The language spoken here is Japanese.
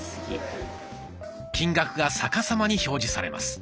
金額が逆さまに表示されます。